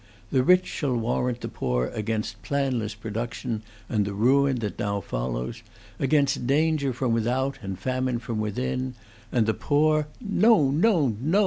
The rich shall warrant the poor against planless production and the ruin that now follows, against danger from without and famine from within, and the poor " "No, no, no!"